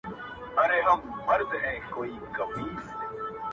• ماتي به پنجرې کړم د صیاد وخت به ګواه وي زما,